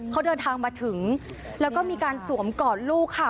เขาเดินทางมาถึงแล้วก็มีการสวมกอดลูกค่ะ